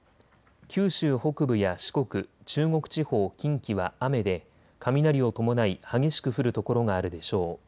九州北部や四国、中国地方、近畿は雨で雷を伴い激しく降る所があるでしょう。